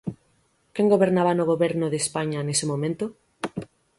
¿Quen gobernaba no Goberno de España nese momento?